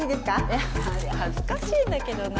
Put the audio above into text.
えっあれ恥ずかしいんだけどな。